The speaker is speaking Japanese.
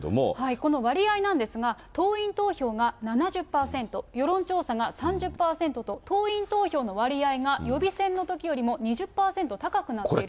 この割合なんですが、党員投票が７０％、世論調査が３０％と、党員投票の割合が予備選のときよりも２０％高くなっている。